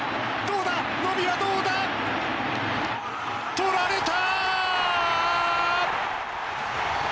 とられた！